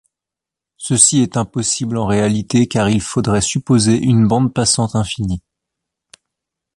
Ceci est impossible en réalité car il faudrait supposer une bande passante infinie.